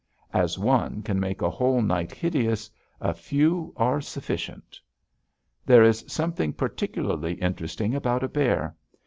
As one can make a whole night hideous, a few are sufficient. There is something particularly interesting about a bear.